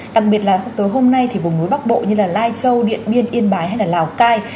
đặc biệt là tối hôm nay thì vùng núi bắc bộ như là lai châu điện biên yên bái hay là lào cai